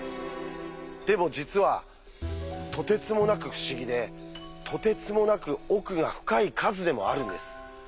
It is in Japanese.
でも実はとてつもなく不思議でとてつもなく奥が深い数でもあるんです。